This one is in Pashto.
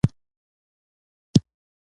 پر اوږه يې خوله ور ولګوله.